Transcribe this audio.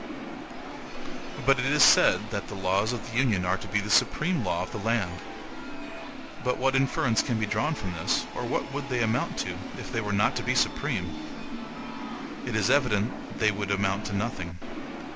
But it is said that the laws of the Union are to be the SUPREME LAW of the land. But what inference can be drawn from this, or what would they amount to, if they were not to be supreme? It is evident they would amount to nothing.